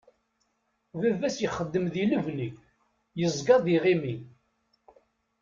Baba-s ixeddmen di lebni yeẓga d iɣimi.